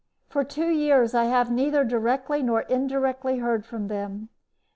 For two years I have, neither directly nor indirectly, heard from them.